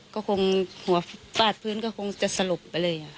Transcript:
ก็คงหัวฟาดพื้นตรงนั้นก็จะสลบไปเลย